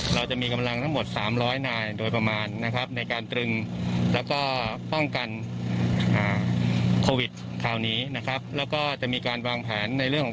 เราจะมีกำลังทั้งหมด๓๐๐นายโดยประมาณ